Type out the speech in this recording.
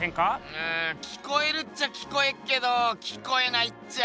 うん聞こえるっちゃ聞こえっけど聞こえないっちゃ。